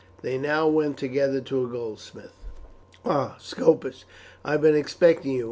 They now went together to a goldsmith. "Ah! Scopus, I have been expecting you.